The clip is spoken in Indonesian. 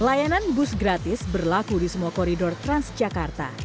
layanan bus gratis berlaku di semua koridor trans jakarta